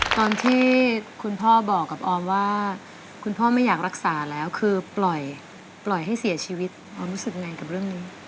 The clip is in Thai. ตอนที่คุณพ่อบอกกับออมว่าคุณพ่อไม่อยากรักษาแล้วคือปล่อยให้เสียชีวิตออมรู้สึกไงกับเรื่องนี้